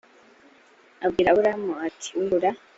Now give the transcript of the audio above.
abwira aburamu ati ubura